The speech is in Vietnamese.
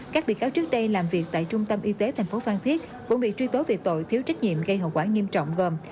các bị cáo trước đây làm việc tại trung tâm y tế tp phan thiết cũng bị truy tố về tội thiếu trách nhiệm gây hậu quả nghiêm trọng gồm